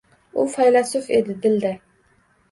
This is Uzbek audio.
U faylasuf edi, dilda